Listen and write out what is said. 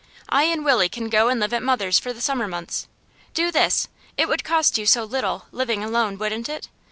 I and Willie can go and live at mother's for the summer months. Do this! It would cost you so little, living alone, wouldn't it?